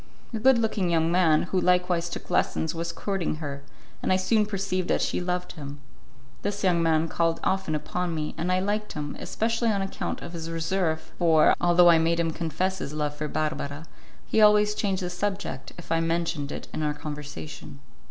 A good looking young man, who likewise took lessons, was courting her, and I soon perceived that she loved him. This young man called often upon me, and I liked him, especially on account of his reserve, for, although I made him confess his love for Barbara, he always changed the subject, if I mentioned it in our conversation.